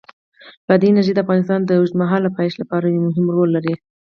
بادي انرژي د افغانستان د اوږدمهاله پایښت لپاره یو مهم رول لري.